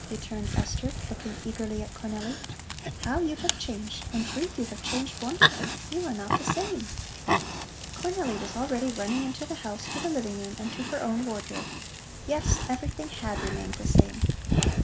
returned Esther, looking eagerly at Cornelli. "How you have changed! In truth you have changed wonderfully. You are not the same." Cornelli was already running into the house to the living room and to her own wardrobe. Yes, everything had remained the same.